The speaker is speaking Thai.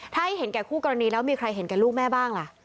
ถ้าให้เห็นแก่คู่กรณีแล้วมีใครเห็นแก่ลูกแม่บ้างล่ะ